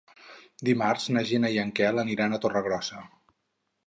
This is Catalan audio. Dimarts na Gina i en Quel aniran a Torregrossa.